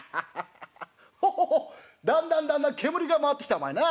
ホホホだんだんだんだん煙が回ってきたお前な。